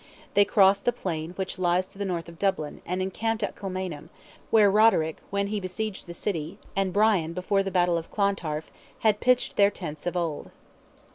They crossed the plain which lies to the north of Dublin, and encamped at Kilmainham, where Roderick when he besieged the city, and Brien before the battle of Clontarf, had pitched their tents of old.